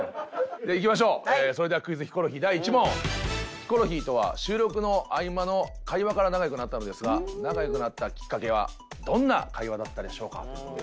ヒコロヒーとは収録の合間の会話から仲良くなったのですが仲良くなったきっかけはどんな会話だったでしょうか？という事で。